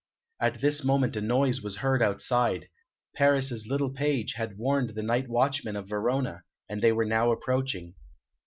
At this moment a noise was heard outside. Paris's little page had warned the night watchmen of Verona, and they were now approaching.